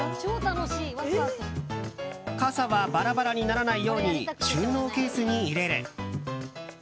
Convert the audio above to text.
傘はバラバラにならないように収納ケースに入れる。